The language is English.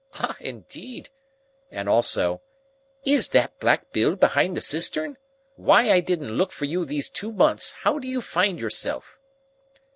Ah, indeed!" and also, "Is that Black Bill behind the cistern? Why I didn't look for you these two months; how do you find yourself?"